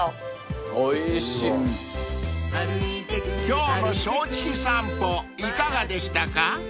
［今日の『正直さんぽ』いかがでしたか？］